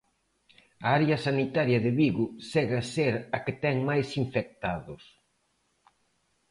A área sanitaria de Vigo segue a ser a que ten máis infectados.